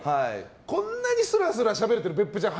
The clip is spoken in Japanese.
こんなにすらすらしゃべってる別府ちゃん